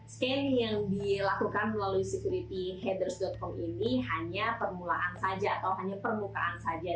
scan yang dilakukan melalui securityheaders com ini hanya permulaan saja atau hanya permukaan saja